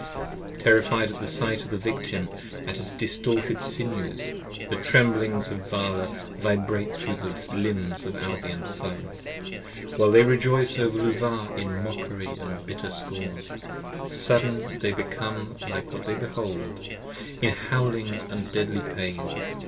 Terrified at the sight of the Victim, at his distorted sinews: The tremblings of Vala vibrate thro' the limbs of Albion's Sons, While they rejoice over Luvah in mockery & bitter scorn: 75 Sudden they become like what they behold, in howlings & deadly pain.